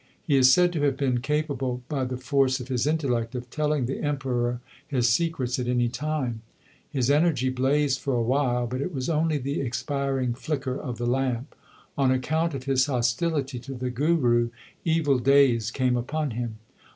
He is said to have been capable by the force of his intellect of telling the Emperor his secrets at any time. His energy blazed for a while, but it was only the expiring flicker of the lamp. On account of his hostility to the Guru evil days came upon him.